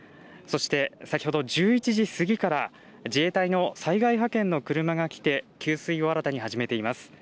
そして先ほど１１時過ぎから自衛隊の災害派遣の車が来て給水を新たに始めています。